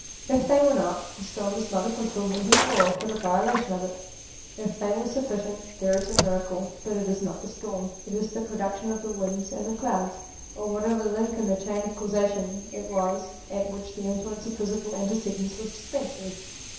If they were not, the storm is not a fulfilment of law, but a violation of it. If they were sufficient, there is a miracle, but it is not the storm ; it is the production of the winds and clouds, or whatever link in the chain of causation it was at which the influence of physical antecedents was dispensed with.